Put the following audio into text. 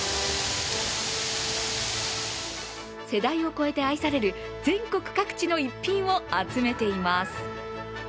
世代を超えて愛される全国各地の逸品を集めています。